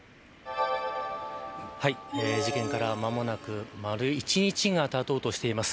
事件から間もなく丸１日がたとうとしています。